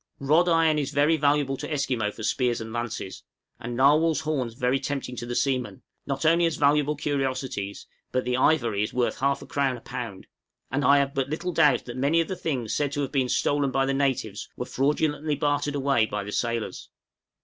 Rod iron is very valuable to Esquimaux for spears and lances, and narwhals' horns very tempting to the seamen, not only as valuable curiosities, but the ivory is worth half a crown a pound; and I have but little doubt that many of the things said to have been stolen by the natives were fraudulently bartered away by the sailors.